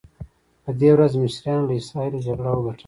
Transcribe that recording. په دې ورځ مصریانو له اسراییلو جګړه وګټله.